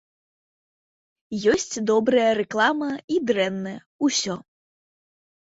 Ёсць добрая рэклама і дрэнная, усё.